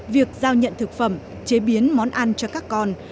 việc giao nhận thực phẩm chế biến món ăn cho các con